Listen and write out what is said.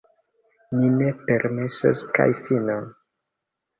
Ni ne permesos, kaj fino!